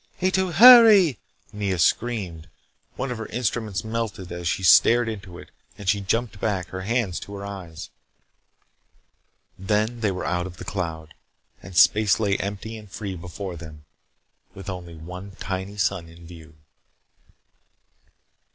"Ato. Hurry," Nea screamed. One of her instruments melted as she stared into it and she jumped back, her hands to her eyes Then they were out of the cloud, and space lay empty and free before them, with only one tiny sun in view.